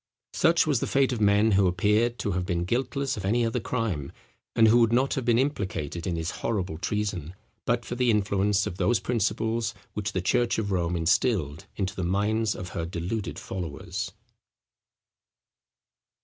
Such was the fate of men who appear to have been guiltless of any other crime, and who would not have been implicated in this horrible treason, but for the influence of those principles which the church of Rome instilled into the minds of her deluded followers.